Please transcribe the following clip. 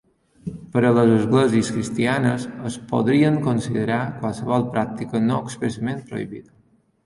Per a les esglésies cristianes, es podrien considerar qualsevol pràctica no expressament prohibida.